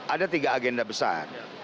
ada tiga agenda besar